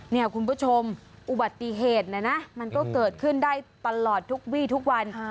เนี่ยคุณผู้ชมอุบัติเหตุนะนะมันก็เกิดขึ้นได้ตลอดทุกวี่ทุกวัน